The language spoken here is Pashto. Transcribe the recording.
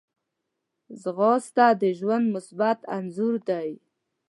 ځغاسته د ژوند مثبت انځور دی